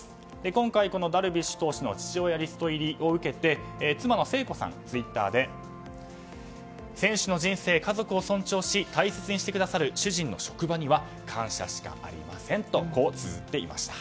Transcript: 今回、このダルビッシュ投手の父親リスト入りを受けて妻の聖子さんはツイッターで選手の人生、家族を尊重し大切にしてくださる主人の職場には感謝しかありませんとこうつづっていました。